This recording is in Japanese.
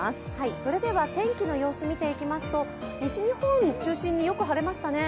それでは天気の様子をみていきますと、西日本を中心によく晴れましたね。